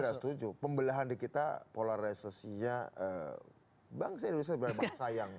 saya setuju pembelahan di kita polarisasinya bangsa indonesia benar benar sayang